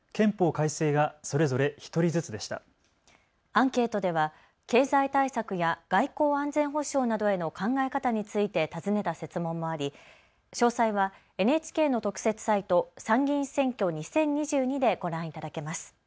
アンケートでは経済対策や外交・安全保障などへの考え方について尋ねた設問もあり詳細はＮＨＫの特設サイト、参議院選挙２０２２でご覧いただけます。